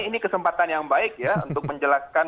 ini kesempatan yang baik ya untuk menjelaskan